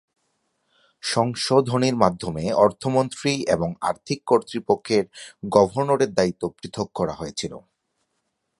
সংশোধনীর মাধ্যমে অর্থমন্ত্রী এবং আর্থিক কর্তৃপক্ষের গভর্নরের দায়িত্ব পৃথক করা হয়েছিল।